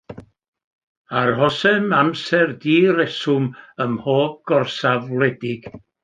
Arhosem amser direswm ym mhob gorsaf wledig.